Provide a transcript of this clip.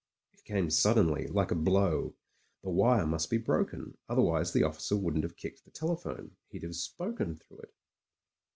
It came suddenly — like a blow. The wire must be broken, otherwise the ofUctr wouldn't have kicked the telephone; he'd have spoken through it.